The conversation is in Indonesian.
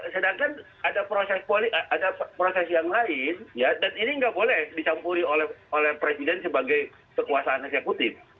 sedangkan ada proses yang lain dan ini nggak boleh dicampuri oleh presiden sebagai kekuasaan eksekutif